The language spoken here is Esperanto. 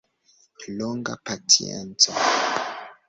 Longa pacienco.